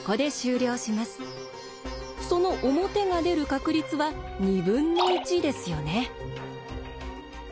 その表が出る確率は２分の１ですよね。